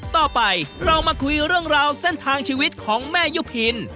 ต่อไปเรามาคุยเรื่องราวเส้นทางชีวิตของแม่ยุพิน